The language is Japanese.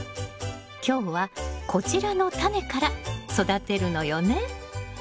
今日はこちらのタネから育てるのよね。